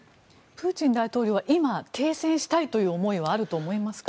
プーチン大統領は今停戦したいという思いはあると思いますか？